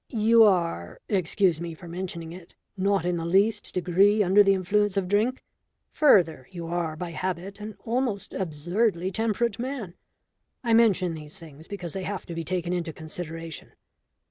"You are excuse me for mentioning it not in the least degree under the influence of drink. Further, you are by habit an almost absurdly temperate man. I mention these things because they have to be taken into consideration.